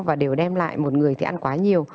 và đều đem lại một người thì ăn quá nhiều